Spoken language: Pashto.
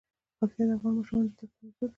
پکتیا د افغان ماشومانو د زده کړې موضوع ده.